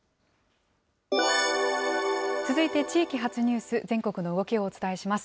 続いて地域発ニュース、全国の動きをお伝えします。